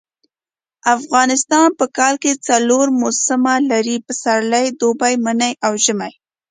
افغانستان په کال کي څلور موسمه لري . پسرلی دوبی منی او ژمی